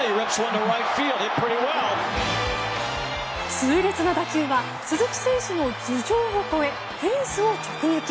痛烈な打球は鈴木選手の頭上を越えフェンスを直撃。